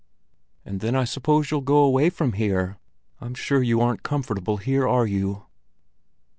"And then I suppose you'll go away from here? I'm sure you aren't comfortable here, are you?"